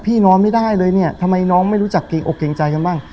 นอนไม่ได้เลยเนี่ยทำไมน้องไม่รู้จักเกรงอกเกรงใจกันบ้าง